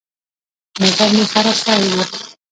موټر مې خراب سوى و.